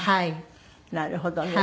なるほどね。